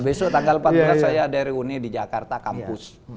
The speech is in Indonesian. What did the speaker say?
besok tanggal empat belas saya ada reuni di jakarta kampus